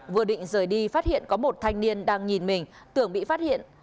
vừa định rời đi phát hiện có một thanh niên đang nhìn mình tưởng bị phát hiện